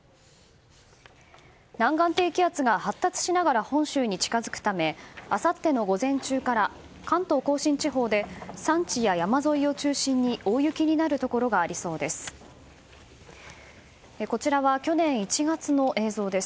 南岸低気圧が発達しながら本州に近づくためあさっての午前中から関東・甲信地方で山地や山沿いを中心に大雪になるところがありそうです。